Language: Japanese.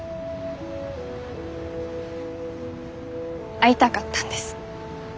会いたかったんです。